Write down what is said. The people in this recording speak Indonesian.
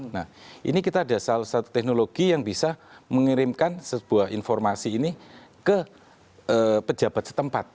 nah ini kita ada salah satu teknologi yang bisa mengirimkan sebuah informasi ini ke pejabat setempat